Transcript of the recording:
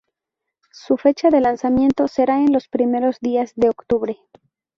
Su fecha de lanzamiento será en los primeros días de octubre.